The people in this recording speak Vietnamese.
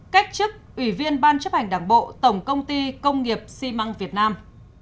cách chức ủy viên ban chấp hành đảng bộ tổng công ty công nghiệp xi măng việt nam